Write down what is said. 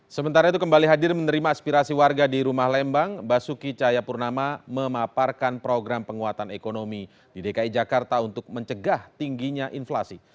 sementara itu kembali hadir menerima aspirasi warga di rumah lembang basuki cahayapurnama memaparkan program penguatan ekonomi di dki jakarta untuk mencegah tingginya inflasi